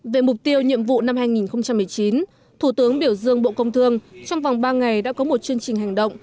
về mục tiêu nhiệm vụ năm hai nghìn một mươi chín thủ tướng biểu dương bộ công thương trong vòng ba ngày đã có một chương trình hành động